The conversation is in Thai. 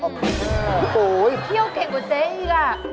ที่เที่ยวเก่งกว่าเจ๊อีก